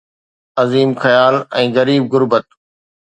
عظيم خيال ۽ غريب غربت.